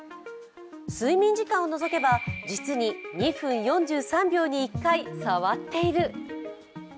睡眠時間を除けば実に２分４３秒に１回、触っている。